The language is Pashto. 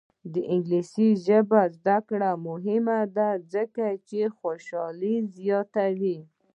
د انګلیسي ژبې زده کړه مهمه ده ځکه چې خوشحالي زیاتوي.